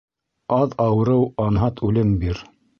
Аҙ ауырыу, анһат үлем бир.